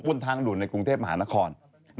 บนทางด่วนในกรุงเทพมหานคร